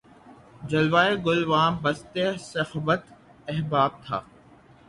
جلوہٴ گل واں بساطِ صحبتِ احباب تھا